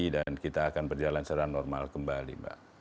dan kita akan berjalan secara normal kembali